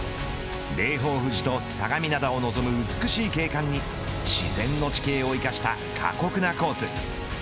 霊峰富士と相模灘を望む美しい景観に自然の地形を生かした過酷なコース